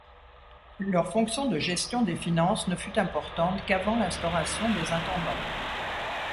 Leur fonction de gestion des finances ne fut importante qu'avant l'instauration des intendants.